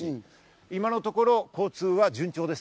今のところ交通は順調です。